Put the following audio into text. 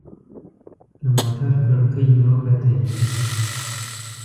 له موټر کړکۍ مې وکتلې.